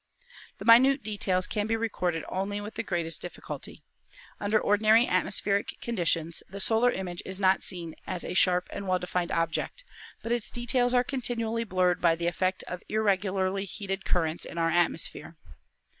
"The minute details can be recorded only with the great est difficulty. Under ordinary atmospheric conditions the solar image is not seen as a sharp and well defined object, but its details are continually blurred by the effect of irregularly heated currents in our atmosphere.